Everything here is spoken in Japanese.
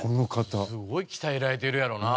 すごい鍛えられてるやろな。